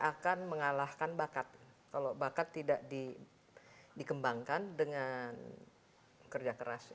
akan mengalahkan bakat kalau bakat tidak di dikembangkan dengan kerja keras